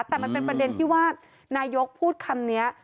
แต่มันเป็นประเด็นที่ว่านายกพูดคำนี้